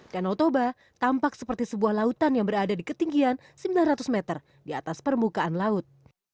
danau toba tampak seperti sebuah lautan yang berada di ketinggian sembilan ratus meter di atas permukaan laut